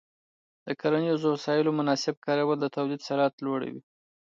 د کرنیزو وسایلو مناسب کارول د تولید سرعت لوړوي.